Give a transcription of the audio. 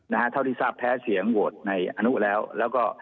นะฮะเท่าที่ทราบแพ้เสียงโหวตในอนุแล้วแล้วก็